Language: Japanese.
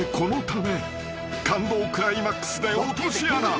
［感動クライマックスで落とし穴。